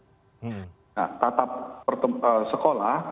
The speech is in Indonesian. nah tatap sekolah